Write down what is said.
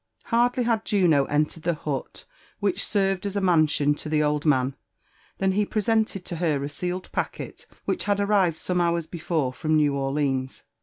Hardly had Juno entered the hut which served as a i^ansion to the old man, than he presented to her a sealed packet which had arrived some hours before from New Orleans.